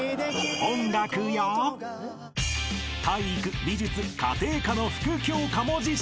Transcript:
［音楽や体育美術家庭科の副教科も実施］